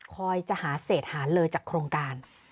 คอยจะหาเสธหารเลยจากโครงการ